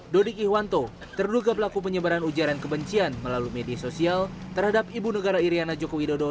dodik ihwanto terduga pelaku penyebaran ujaran kebencian melalui media sosial terhadap ibu negara iryana joko widodo